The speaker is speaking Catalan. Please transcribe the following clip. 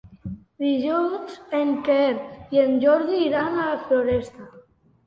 Dilluns en Quer i en Jordi iran a la Floresta.